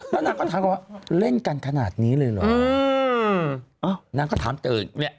แล้วนางก็ถามกันว่าเล่นกันขนาดนี้เลยเหรอนางก็ถามตื่นเนี่ย